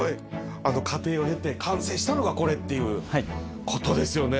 あの過程を経て完成したのがこれっていうことですよね。